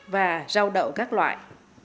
và rau đậu các loại